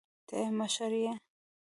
ته يې مشر يې.